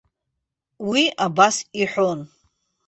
Уи абас аҳәон.